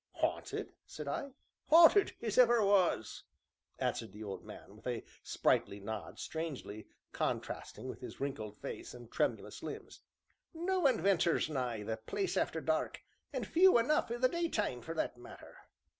"Haunted?" said I. "Haunted as ever was!" answered the old man, with a sprightly nod strangely contrasting with his wrinkled face and tremulous limbs. "No one ventur's nigh the place arter dark, an' few enough in the daytime, for that matter."